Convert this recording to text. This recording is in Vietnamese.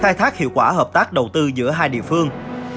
khai thác hiệu quả hợp tác đầu tư giữa hai địa phương